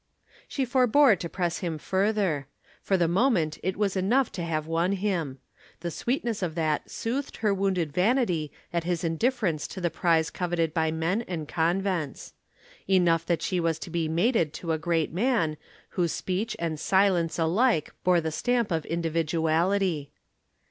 She forbore to press him further. For the moment it was enough to have won him. The sweetness of that soothed her wounded vanity at his indifference to the prize coveted by men and convents. Enough that she was to be mated to a great man, whose speech and silence alike bore the stamp of individuality.